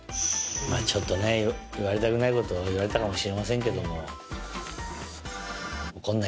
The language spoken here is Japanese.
ちょっとね言われたくないこと言われたかもしれませんけども。